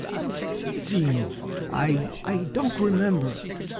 Ah'm freezing!" "I I don't remember."